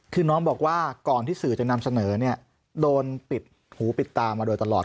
คือน้องบอกว่าก่อนที่สื่อจะนำเสนอเนี่ยโดนปิดหูปิดตามาโดยตลอด